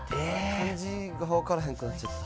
感じが分からへんくなっちゃった。